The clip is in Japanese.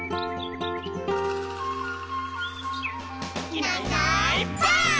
「いないいないばあっ！」